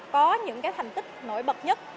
có những thành tích nổi bật nhất